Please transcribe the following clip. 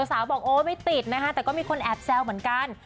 สาวบอกโอ้ไม่ติดนะคะแต่ก็มีคนแอบแซวเหมือนกัน